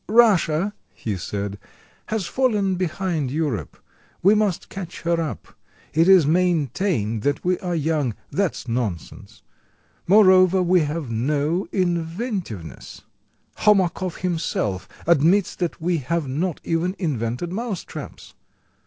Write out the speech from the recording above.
"Russia," he said, "has fallen behind Europe; we must catch her up. It is maintained that we are young that's nonsense. Moreover we have no inventiveness: Homakov himself admits that we have not even invented mouse traps.